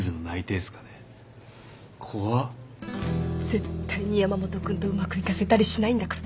絶対に山本君とうまくいかせたりしないんだから。